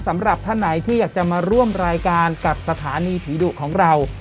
สำหรับท่านไหนที่อยากจะมาร่วมรายการกับสถานีผีดุของเรา